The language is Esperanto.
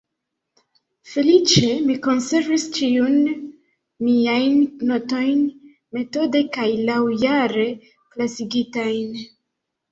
Feliĉe mi konservis ĉiujn miajn notojn metode kaj laŭjare klasigitajn.